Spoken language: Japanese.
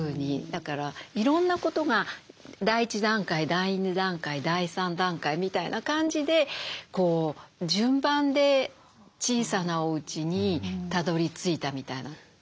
だからいろんなことが第１段階第２段階第３段階みたいな感じで順番で小さなおうちにたどりついたみたいな。